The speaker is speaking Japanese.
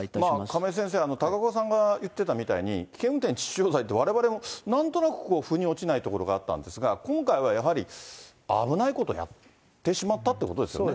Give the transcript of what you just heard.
亀井先生、高岡さんが言ってたみたいに、危険運転致死傷罪って、われわれもなんとなくふに落ちないところがあったんですが、今回はやはり、危ないことをやってしまったってことですよね。